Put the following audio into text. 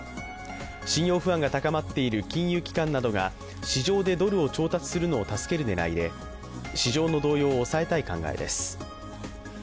信用不安が高まっている金融機関などが市場でドルを調達するのを助ける狙いで市場の動揺を抑えたい考えです。